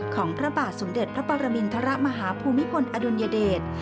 พระบาทสมเด็จพระปรมินทรมาฮภูมิพลอดุลยเดช